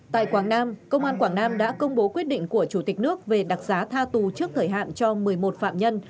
tại quảng nam công an quảng nam đã công bố quyết định của chủ tịch nước về đặc giá tha tù trước thời hạn cho một mươi một phạm nhân